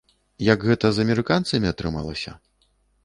Як гэта з амерыканцамі атрымалася?